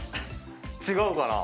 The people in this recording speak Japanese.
違うかな？